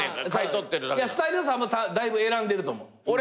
スタイリストさんもだいぶ選んでると思う。